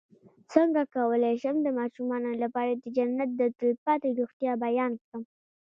څنګه کولی شم د ماشومانو لپاره د جنت د تل پاتې روغتیا بیان کړم